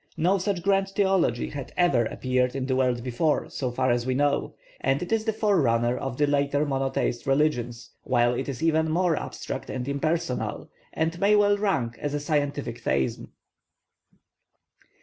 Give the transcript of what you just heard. No such grand theology had ever appeared in the world before, so far as we know; and it is the forerunner of the later monotheist religions, while it is even more abstract and impersonal, and may well rank as a scientific theism.